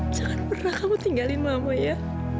jangan pernah kamu tinggalin mama ya